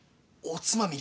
おつまみ？